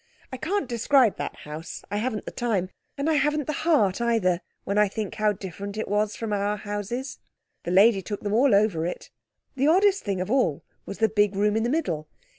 I can't describe that house; I haven't the time. And I haven't heart either, when I think how different it was from our houses. The lady took them all over it. The oddest thing of all was the big room in the middle.